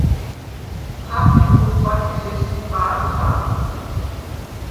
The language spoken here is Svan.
ხაჴიდ მუხვბას ი ჟესსიპა̄ნ ჴანდ.